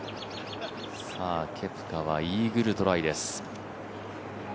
ケプカはイーグルトライです。